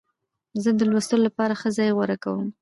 زه د لوستو لپاره ښه ځای غوره کوم.